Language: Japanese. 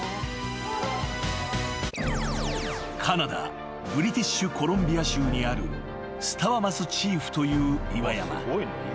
［カナダブリティッシュ・コロンビア州にあるスタワマス・チーフという岩山］